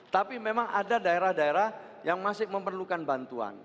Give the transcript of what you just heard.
tapi memang ada daerah daerah yang masih memerlukan bantuan